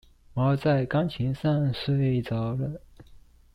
貓在鋼琴上睡著了